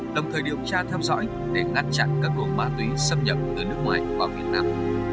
đồng thời điều tra theo dõi để ngăn chặn các luồng ma túy xâm nhập từ nước ngoài vào việt nam